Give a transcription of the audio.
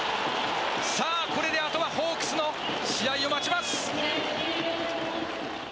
さあ、これで、あとはホークスの試合を待ちます。